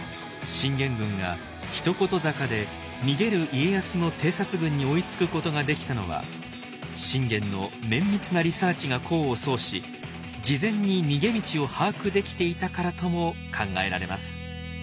信玄軍が一言坂で逃げる家康の偵察軍に追いつくことができたのは信玄の綿密なリサーチが功を奏し事前に逃げ道を把握できていたからとも考えられます。